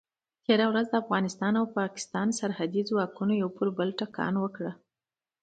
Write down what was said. تېره ورځ د افغانستان او پاکستان سرحدي ځواکونو یو پر بل ټکونه وکړل.